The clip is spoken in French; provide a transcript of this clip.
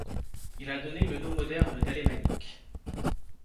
Il a donné le nom moderne d'Alémanique.